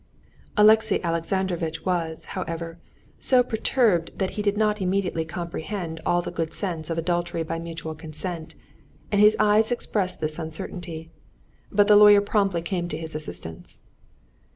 Alexey Alexandrovitch was, however, so perturbed that he did not immediately comprehend all the good sense of adultery by mutual consent, and his eyes expressed this uncertainty; but the lawyer promptly came to his assistance.